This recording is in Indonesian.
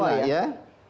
nah bagaimana ya